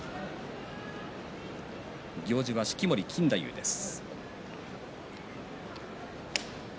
行司は式守錦太夫です。